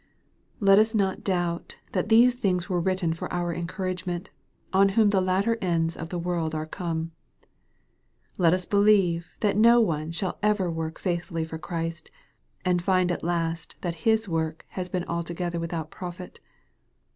Let us not doubt that these things were written for our encouragement, on whom the latter ends of the world are come. Let us believe that no one shall ever work faithfully for Christ, and find at last that His work has been altogether without profit.